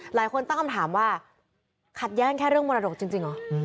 หลายคนตั้งคำถามว่าขัดแย้งแค่เรื่องมรดกจริงเหรอ